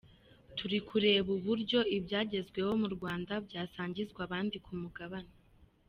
Turi kureba uburyo ibyagezweho mu Rwanda byasangizwa abandi ku mugabane.